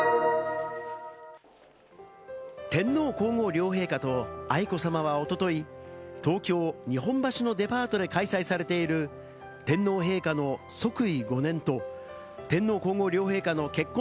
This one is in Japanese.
天皇皇后両陛下と愛子さまはおととい、東京・日本橋のデパートで開催されている天皇陛下の即位５年と天皇皇后両陛下の結婚